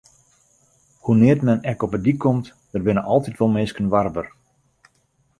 Hoenear't men ek op 'e dyk komt, der binne altyd wol minsken warber.